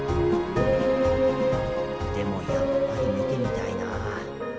でもやっぱり見てみたいな。